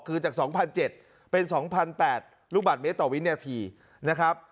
คือจากสองพันเจ็ดเป็นสองพันแปดลูกบาทเมตรต่อวินาทีนะครับ